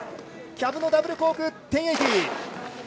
キャブのダブルコーク１０８０。